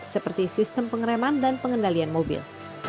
seperti sistem pengereman dan pengendalian mobil